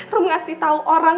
rum ngasih tau orang